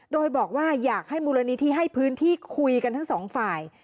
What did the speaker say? โดยบอกว่าอยากให้มูลนิธิให้พื้นที่คุยกันทั้งสองฝ่าย